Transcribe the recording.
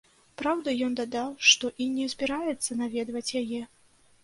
Праўда, ён дадаў, што і не збіраецца наведваць яе.